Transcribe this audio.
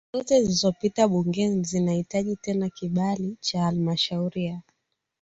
zote zilizopita bungeni zinahitaji tena kibali cha halmashauri ya